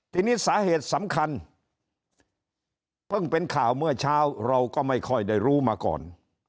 ทีนี้สาเหตุสำคัญเพิ่งเป็นข่าวเมื่อเช้าเราก็ไม่ค่อยได้รู้มาก่อน